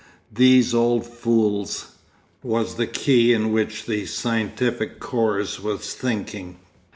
'These old fools!' was the key in which the scientific corps was thinking.